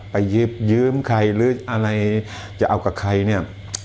ไปยืมใครหรืออะไรจะเอากับใครเนี่ย